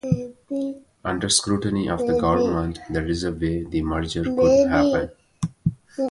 Under scrutiny of the government, there is no way the merger could happen.